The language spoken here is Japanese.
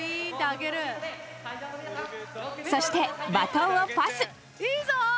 そしてバトンをパス！